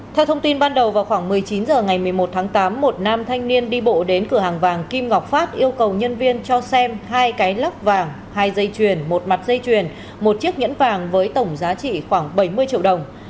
theo thông tin ban đầu vào khoảng một mươi chín h ngày một mươi một tháng tám một nam thanh niên đi bộ đến cửa hàng vàng kim ngọc phát yêu cầu nhân viên cho xem hai cái lắp vàng hai dây chuyền một mặt dây chuyền một chiếc nhẫn vàng với tổng giá trị khoảng bảy mươi triệu đồng